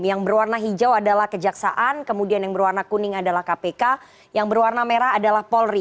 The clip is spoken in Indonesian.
yang berwarna hijau adalah kejaksaan kemudian yang berwarna kuning adalah kpk yang berwarna merah adalah polri